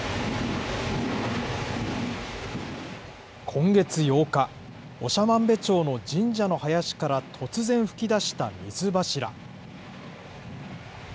今月８日、長万部町の神社の林から突然噴き出した水柱。